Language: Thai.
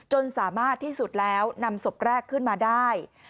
จนสามารถที่สุดแล้วนำศพแรกขึ้นมาได้